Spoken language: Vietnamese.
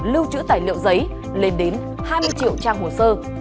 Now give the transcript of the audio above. lưu trữ tài liệu giấy lên đến hai mươi triệu trang hồ sơ